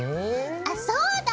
あそうだ！